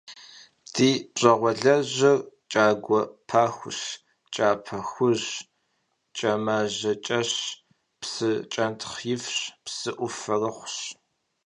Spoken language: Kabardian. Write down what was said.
Ди пщӏэгъуалэжьыр кӏагуэ пахущ, кӏапэ хужьщ, кӏэмажьэкӏэщ, псы кӏэнтхъ ифщ, псыӏуфэрыхъущ.